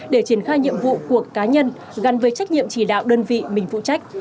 để triển khai nhiệm vụ của cá nhân gắn với trách nhiệm chỉ đạo đơn vị mình phụ trách